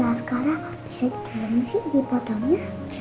kok dedy askara bisa ditidurin sih di fotonya